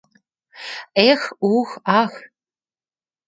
Эх, ух, ах!